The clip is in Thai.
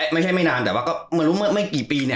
ไม่ใช่ไม่นานแต่ก็ไม่รู้เมื่อกี่ปีเนี่ย